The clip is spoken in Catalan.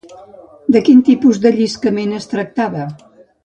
De quin tipus de lliscament es tractava?